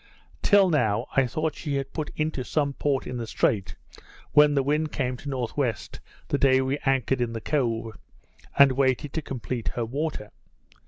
Till now, I thought she had put into some port in the Strait, when the wind came to N.W., the day we anchored in the Cove, and waited to complete her water.